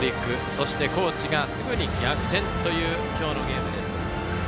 そして高知がすぐに逆転という今日のゲームです。